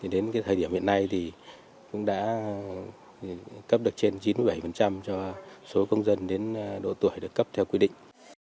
đến thời điểm hiện nay cũng đã cấp được trên chín mươi bảy cho số công dân đến độ tuổi được cấp theo quy định